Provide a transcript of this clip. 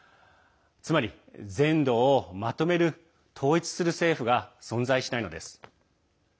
つまり、全土をまとめる統一する政府が存在しないのです。